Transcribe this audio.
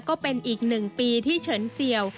ก็เป็นอีกหนึ่งปีที่เฉินเสี่ยว